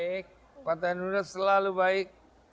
partai hanura selalu baik